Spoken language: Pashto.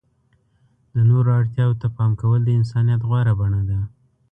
د نورو اړتیاوو ته پام کول د انسانیت غوره بڼه ده.